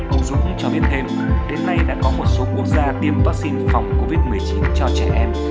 ông dũng cho biết thêm đến nay đã có một số quốc gia tiêm vaccine phòng covid một mươi chín cho trẻ em